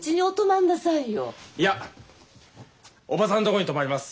いや伯母さんとこに泊まります。